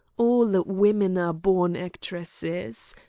All women are born actresses.